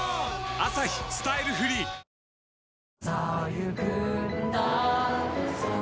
「アサヒスタイルフリー」！男性）